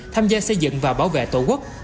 tham gia xây dựng và bảo vệ tổ quốc